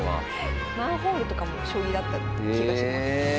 マンホールとかも将棋だった気がします。